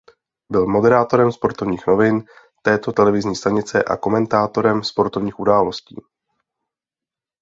Byl moderátorem Sportovních novin této televizní stanice a komentátorem sportovních událostí.